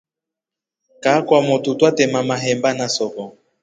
Kaa kwamotu twetema maheba na soko.